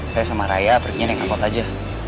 saya sama raya perginya naik angkot aja